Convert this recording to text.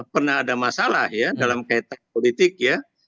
pernah ada masalah ya dalam kaitan politik ya